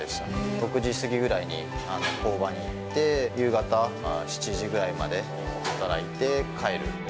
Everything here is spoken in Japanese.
６時過ぎぐらいに工場に行って、夕方７時ぐらいまで働いて帰る。